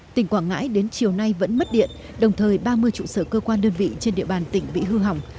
tỉnh quảng ngãi đến chiều nay vẫn mất điện đồng thời ba mươi trụ sở cơ quan đơn vị trên địa bàn tỉnh bị hư hỏng